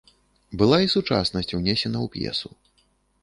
Была і сучаснасць унесена ў п'есу.